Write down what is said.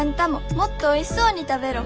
もっとおいしそうに食べろ。